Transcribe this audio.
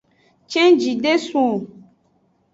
Cenjie de sun o.